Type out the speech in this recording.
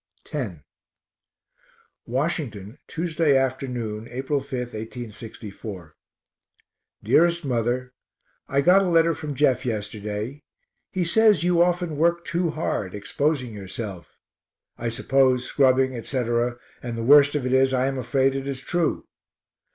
X Washington, Tuesday afternoon, April 5, 1864. DEAREST MOTHER I got a letter from Jeff yesterday he says you often work too hard, exposing yourself; I suppose, scrubbing, etc., and the worst of it is I am afraid it is true.